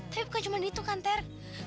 tapi bukan cuma itu kan ter